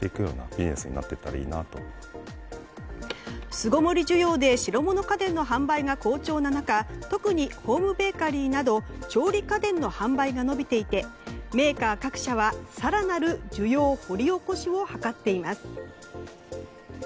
巣ごもり需要で白物家電の販売が好調な中特にホームベーカリーなど調理家電の販売が伸びていてメーカー各社は更なる需要掘り起こしも図っています。